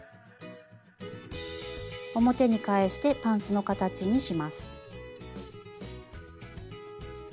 表に返してパンツの形にします。